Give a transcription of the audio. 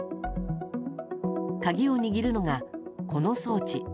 鍵を握るのが、この装置。